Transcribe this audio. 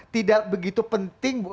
tidak begitu penting